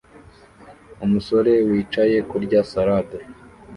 Umusore wicaye kurya salade